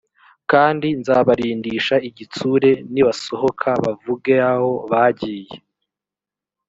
kandi nzabarindisha igitsure nibasohoka bavugeaho bagiye